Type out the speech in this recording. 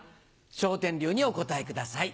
笑点流にお答えください。